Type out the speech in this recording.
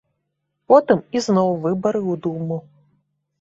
Потым ізноў выбары ў думу.